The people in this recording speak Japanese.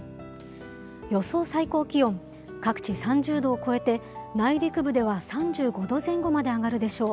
予想最高気温、各地３０度を超えて、内陸部では３５度前後まで上がるでしょう。